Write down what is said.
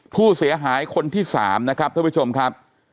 ผู้เสียหายคนที่๓นะครับท่านผู้ชมครับ